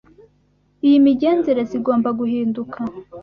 iyi migenzereze igomba guhinduka